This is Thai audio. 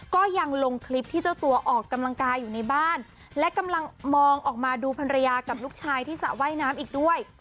ก็ยังลงคลิปที่เจ้าตัวออกกำลังกายอยู่ในบ้านและกำลังมองออกมาดูภรรยากับลูกชายที่สระว่ายน้ำอีกด้วย